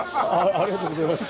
ありがとうございます。